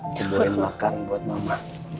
aku boleh makan buat mama